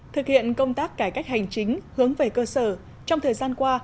thực hiện công tác cải cách hành chính hướng về cơ sở trong thời gian qua